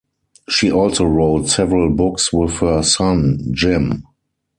She also wrote several books with her son, Jim.